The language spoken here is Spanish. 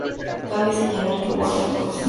Cabe señalar que Warner Bros.